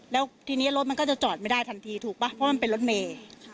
แล้วทีนี้รถมันก็จะจอดไม่ได้ทันทีถูกป่ะเพราะมันเป็นรถเมย์